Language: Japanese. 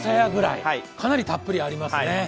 かなりたっぷりありますね。